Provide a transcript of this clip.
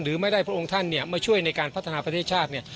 หรือไม่ได้พระองค์ท่านเนี่ยมาช่วยในการพัฒนาประเทศชาติเนี่ย